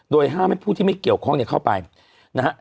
โดยห้ามให้ผู้ที่ไม่เกี่ยวข้องเนี่ยเข้าไปนะฮะ